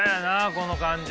この感じ。